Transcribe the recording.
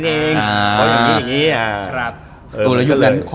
มันแปลก